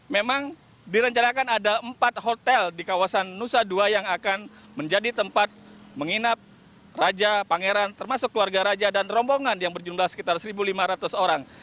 memang direncanakan ada empat hotel di kawasan nusa dua yang akan menjadi tempat menginap raja pangeran termasuk keluarga raja dan rombongan yang berjumlah sekitar satu lima ratus orang